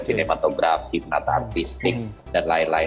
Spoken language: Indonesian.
sinematografi penata artistik dan lain lain